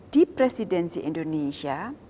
di presidensi indonesia